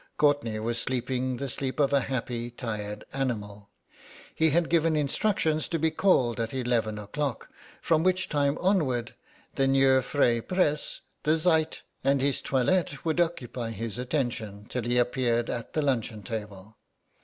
Courtenay was sleeping the sleep of a happy tired animal. He had given instructions to be called at eleven o'clock, from which time onward the Neue Freie Presse, the Zeit, and his toilet would occupy his attention till he appeared at the luncheon table.